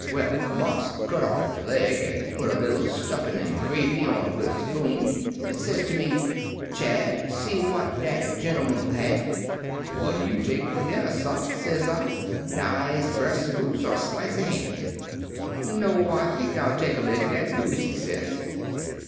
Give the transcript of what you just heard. "Well, marsa, cut off de leg an' put a little stuffin' an' gravy on wid a spoon, an' says to me, 'Chad, see what dat gemman'll have.' "'What'll you take for dinner, sah?' says I. 'Nice breast o' goose, or slice o' ham?' "'No; I think I'll take a leg of dat goose,' he says.